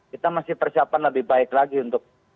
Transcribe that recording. kita masih persiapan lebih baik lagi untuk